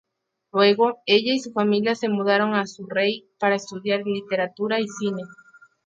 Luego, ella y su familia se mudaron a Surrey para estudiar literatura y cine.